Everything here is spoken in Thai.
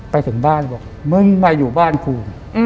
ไปถึงบ้านบอกมึงมาอยู่บ้านกู